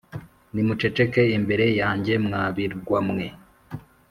Nimuceceke imbere yanjye, mwa birwa mwe,